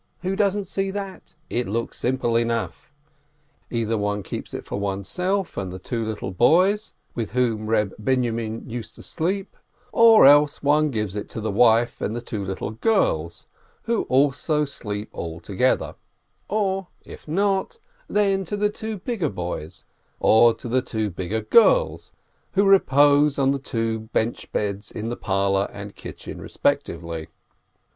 Who doesn't see that? It looks simple enough! Either one keeps it for oneself and the two little boys (with whom Eeb Binyomin used to sleep), or else one gives it to the wife and the two little girls (who also sleep all to gether), or, if not, then to the two bigger boys or the two bigger girls, who repose on the two bench beds in the parlor and kitchen respectively.